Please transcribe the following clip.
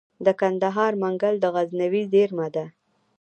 د کندهار منگل د غزنوي زیرمه ده